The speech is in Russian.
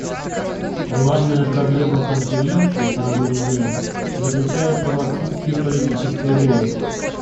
Главная проблема Конференции по разоружению заключается в отсутствии политической воли.